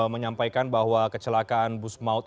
menyampaikan bahwa kecelakaan bus maut